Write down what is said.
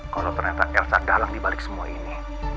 kalau ternyata elsa dalang dibalik semua ini